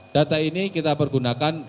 data ini kita pergunakan